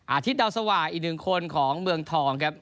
อาทิตย์เดาสวาอีกหนึ่งคนของเมืองทองครับ